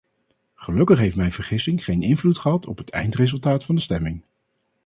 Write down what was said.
Gelukkig heeft mijn vergissing geen invloed gehad op het eindresultaat van de stemming.